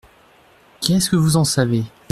Qu’est-ce que vous en savez ?